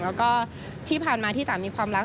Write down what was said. แล้วก็ที่ผ่านมาที่สามีความรัก